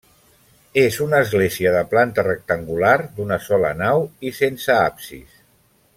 És una església de planta rectangular d'una sola nau i sense absis.